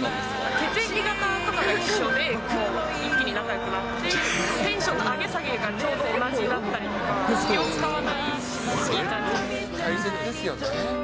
血液型が一緒で、一気に仲よくなって、テンションの上げ下げがちょうど同じだったりとか、大切ですよね。